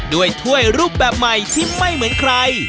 ถ้วยรูปแบบใหม่ที่ไม่เหมือนใคร